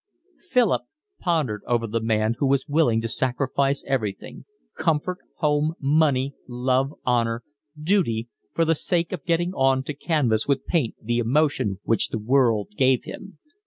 Philip pondered over the man who was willing to sacrifice everything, comfort, home, money, love, honour, duty, for the sake of getting on to canvas with paint the emotion which the world gave him.